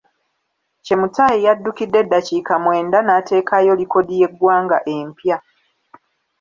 Chemutai yaddukidde eddakiika mwenda n’ateekayo likodi y’eggwanga empya.